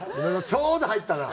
ちょうど入ったわ。